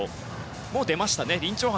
もう出ました。